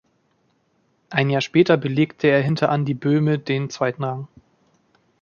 Ein Jahr später belegte er hinter Andy Böhme den zweiten Rang.